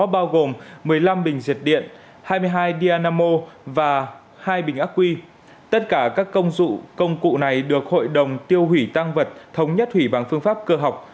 và hai bình ác quy tất cả các công dụ công cụ này được hội đồng tiêu hủy tăng vật thống nhất hủy bằng phương pháp cơ học